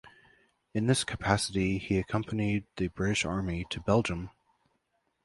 In this capacity he accompanied the British Army to Belgium.